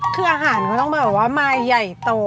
คืออาหารก็ต้องแบบว่ามายใหญ่โต